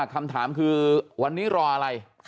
คำถามคือวันนี้รออะไร